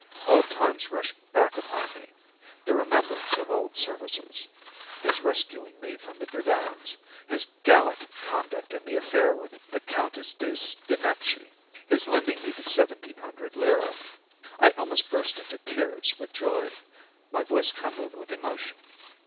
Old times rushed back upon me the remembrance of old services his rescuing me from the brigands his gallant conduct in the affair with the Countess Dei Spinachi his lending me the 1,700L. I almost burst into tears with joy my voice trembled with emotion.